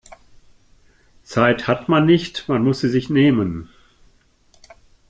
Zeit hat man nicht, man muss sie sich nehmen.